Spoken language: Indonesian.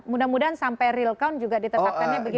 mudah mudahan sampai real count juga ditetapkannya begitu